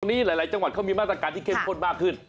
วันนี้หลายจังหวัดเขามีมาตรการที่เข้มข้นมากขึ้น